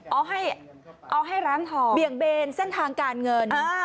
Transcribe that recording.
เอาให้ร้านทองเบี่ยงเบนเส้นทางการเงิน